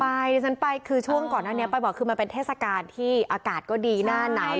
ดิฉันไปคือช่วงก่อนหน้านี้ไปบอกคือมันเป็นเทศกาลที่อากาศก็ดีหน้าหนาว